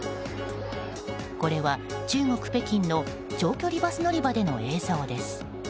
これは、中国・北京の長距離バス乗り場での映像です。